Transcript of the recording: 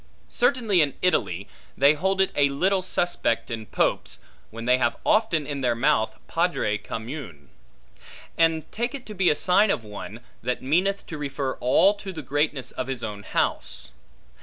Certainly in Italy, they hold it a little suspect in popes, when they have often in their mouth Padre commune: and take it to be a sign of one, that meaneth to refer all to the greatness of his own house.